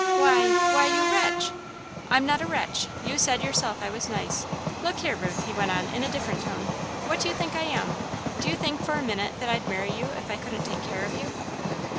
"Why why you wretch!" "I'm not a wretch you said yourself I was nice. Look here, Ruth," he went on, in a different tone, "what do you think I am? Do you think for a minute that I'd marry you if I couldn't take care of you?"